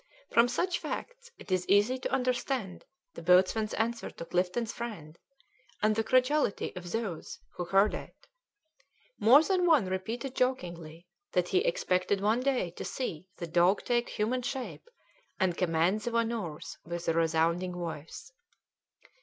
From such facts it is easy to understand the boatswain's answer to Clifton's friend, and the credulity of those who heard it; more than one repeated jokingly that he expected one day to see the dog take human shape and command the manoeuvres with a resounding voice.